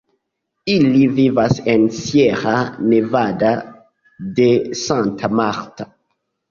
Ili vivas en Sierra Nevada de Santa Marta.